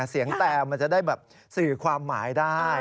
เสียงแดร์มันจะได้สื่อความหมายได้